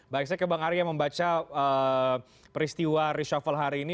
baik saya ke bang arya membaca peristiwa reshuffle hari ini